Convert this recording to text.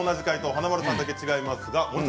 華丸さんだけ違いますね。